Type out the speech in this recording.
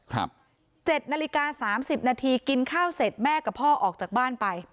๗นาฬิกา๓๐นาทีกินข้าวเสร็จแม่กับพ่อออกจากบ้านไป